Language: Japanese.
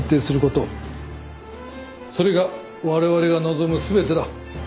それが我々が望む全てだ。